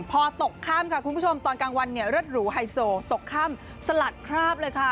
พอตกข้ามค่ะคุณผู้ชมตอนกลางวันเรือดหรูไฮโซตกข้ามสลัดคราบเลยค่ะ